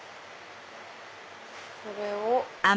これを。